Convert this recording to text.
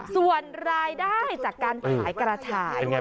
ส่วนรายได้จากการขายกระฉาย